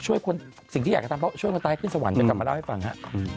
ช่วยคนสิ่งที่อยากจะทำเพราะช่วยมันตายขึ้นสวรรค์เดี๋ยวกลับมาเล่าให้ฟังฮะ